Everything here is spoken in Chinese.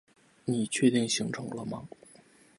你确定行程了吗？